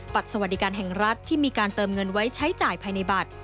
สวัสดีการแห่งรัฐที่มีการเติมเงินไว้ใช้จ่ายภายในบัตร